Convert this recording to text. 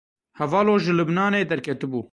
Hevalo ji Libnanê derketibû.